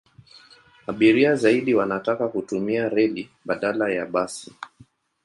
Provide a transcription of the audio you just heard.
Abiria zaidi wanataka kutumia reli badala ya basi.